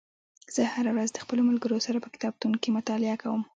زه هره ورځ د خپلو ملګرو سره په کتابتون کې مطالعه کوم